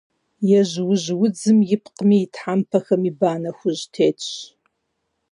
Ежьужьудзым ипкъми и тхьэмпэхэми банэ хужь тетщ.